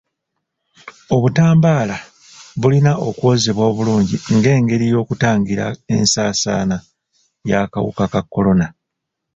Obutambaala bulina okwozebwa obulungi ng'engeri y'okutangira ensaasaana y'akawuka ka kolona.